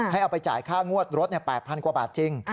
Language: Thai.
ให้เอาไปจ่ายค่างวดรถเนี่ย๘๐๐๐กว่าบาทจริง